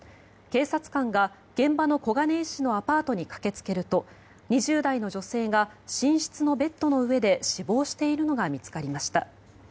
警察官が現場の小金井市のアパートに駆けつけると２０代の女性が寝室のベッドの上で死亡しているのが見つかりました。